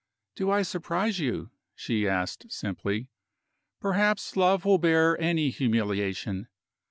"Do I surprise you?" she asked simply. "Perhaps love will bear any humiliation.